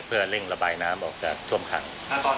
เพื่อเร่งระบายน้ำออกจากท่วมขัง